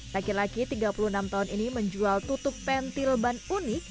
laki laki tiga puluh enam tahun ini menjual tutup pentil ban unik